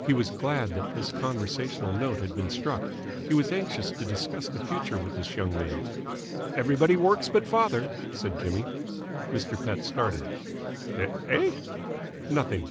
He was glad that this conversational note had been struck. He was anxious to discuss the future with this young man. "Everybody works but father!" said Jimmy. Mr. Pett started. "Eh?" "Nothing."